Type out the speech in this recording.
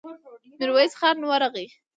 ميرويس خان ورغی.